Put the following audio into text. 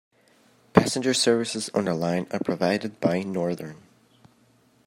Passenger services on the line are provided by Northern.